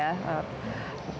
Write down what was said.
misalnya terjadi bencana